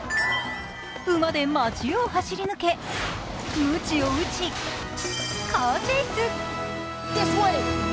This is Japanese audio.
馬で街を走り抜け、むちを打ちカーチェイス。